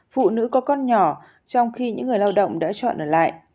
phụ nữ có con nhỏ trong khi những người lao động đã chọn ở lại